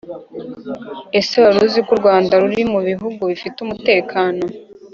Ese waruziko uRwanda rurimo mu bihungu bifite umutekano